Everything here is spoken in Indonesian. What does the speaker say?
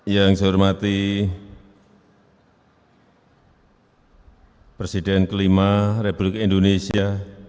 yang saya hormati presiden kelima republik indonesia